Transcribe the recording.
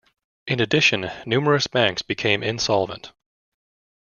In addition, numerous banks became insolvent.